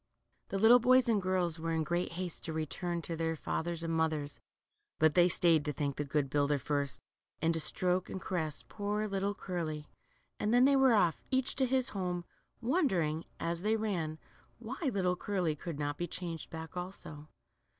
The. little boys and girls were in great haste to run home to their fathers and mothers, but they stayed to thank the good builder first, and to stroke and caress poor little Curly, and then they were off, each to his home, wondering, as they ran, why little Curly could not be changed back also.